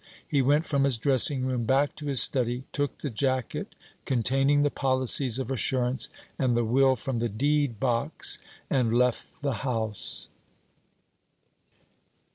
He went from his dressing room back to his study, took the jacket containing the policies of assurance and the will from the deed box, and left the house.